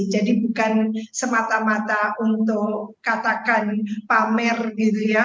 jadi bukan semata mata untuk katakan pamer gitu ya